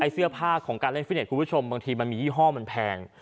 เสื้อผ้าของการเล่นฟิตเนสบางทีมียี่ห้อมันแพง